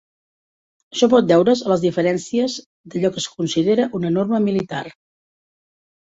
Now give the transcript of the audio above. Això pot deure's a les diferències d'allò que es considera una "norma militar".